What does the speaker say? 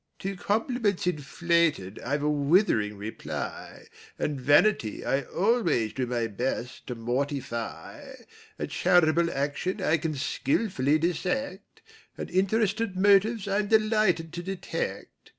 To compliments inflated I've a withering reply; And vanity I always do my best to mortify; A charitable action I can skilfully dissect: And interested motives I'm delighted to detect.